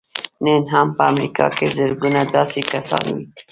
نن به هم په امريکا کې زرګونه داسې کسان وي.